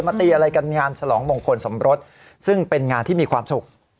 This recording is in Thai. มาตีอะไรกันงานฉลองมงคลสมรสซึ่งเป็นงานที่มีความสุข